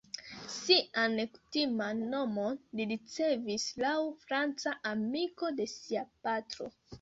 Sian nekutiman nomon li ricevis laŭ franca amiko de sia patro.